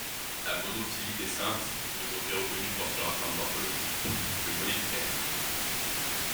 La monophylie des scinques est aujourd’hui reconnue tant sur un plan morphologique que moléculaire.